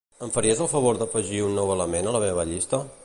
Em faries el favor d'afegir un nou element a la meva llista?